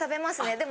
でも。